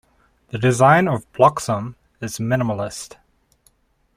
The design of Blosxom is minimalist.